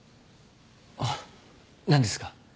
あっ何ですか？